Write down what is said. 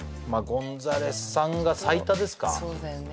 ゴンザレスさんが最多ですかそうだよね